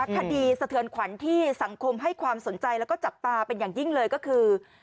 คดีสะเทือนขวัญที่สังคมให้ความสนใจแล้วก็จับตาเป็นอย่างยิ่งเลยก็คือ